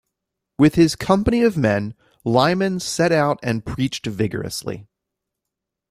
With his company of men, Lyman set out and preached vigorously.